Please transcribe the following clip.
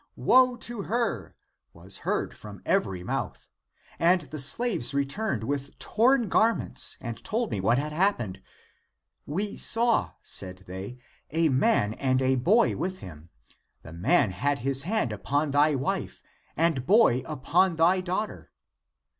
Woe to her! was heard from every mouth. And the slaves returned with torn garments and told me what had happened. We saw, said they, a man and a boy with him ; the man had his hand upon thy wife, the boy upon thy daughter.